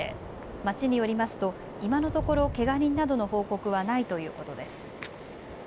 町によりますと今のところけが人などの報告はないということです。